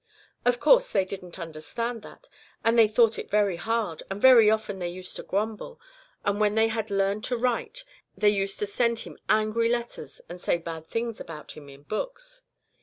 "Of course, they didn't understand that, and they thought it very hard, and very often they used to grumble; and when they had learned to write they used to send Him angry letters and say bad things about Him in books.